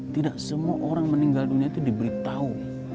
tidak semua orang meninggal dunia itu diberitahu